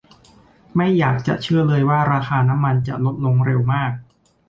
ไม่อยากจะเชื่อเลยว่าราคาน้ำมันจะลดลงเร็วมาก